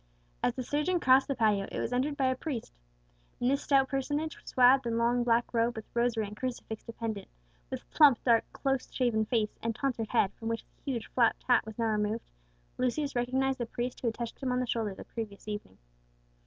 As the surgeon crossed the patio, it was entered by a priest. In this stout personage, swathed in long black robe with rosary and crucifix dependent; with plump, dark, close shaven face, and tonsured head from which the huge flapped hat was now removed, Lucius recognized the priest who had touched him on the shoulder on the previous evening.